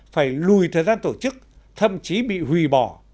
phải lùi thời gian tổ chức thậm chí bị hủy bỏ